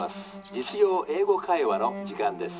『実用英語会話』の時間です。